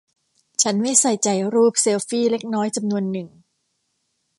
ฉันไม่ใส่ใจรูปเซลฟี่เล็กน้อยจำนวนหนึ่ง